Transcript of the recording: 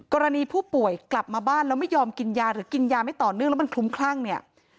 กรณีผู้ป่วยกลับมาบ้านแล้วไม่ยอมกินยาหรือกินยาไม่ต่อเนื่องแล้วมันคลุ้มคลั่งเนี่ย